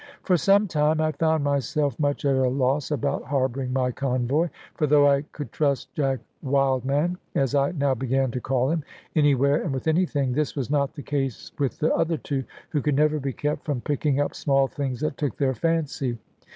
For some time I found myself much at a loss about harbouring my convoy; for though I could trust Jack Wildman as I now began to call him anywhere and with anything, this was not the case with the other two, who could never be kept from picking up small things that took their fancy.